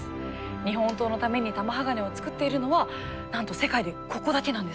日本刀のために玉鋼を作っているのはなんと世界でここだけなんです。